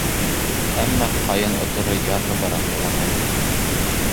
Әммә Ҡайын оторо ярһыбыраҡ илаған.